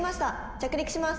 着陸します」。